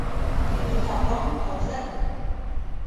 کبان تازه دي.